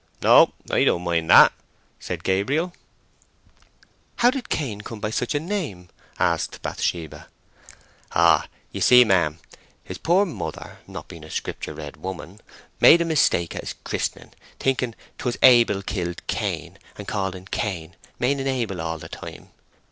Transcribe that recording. "No, I don't mind that," said Gabriel. "How did Cain come by such a name?" asked Bathsheba. "Oh you see, mem, his pore mother, not being a Scripture read woman, made a mistake at his christening, thinking 'twas Abel killed Cain, and called en Cain, meaning Abel all the time.